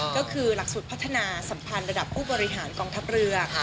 ก็คือหลักสูตรพัฒนาสัมพันธ์ระดับผู้บริหารกองทัพเรือ